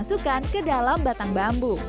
masukkan ke dalam batang bambu